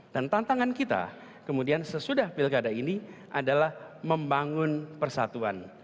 dan tantangan kita kemudian sesudah pilkada ini adalah membangun persatuan